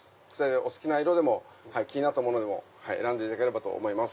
お好きな色気になったもの選んでいただければと思います。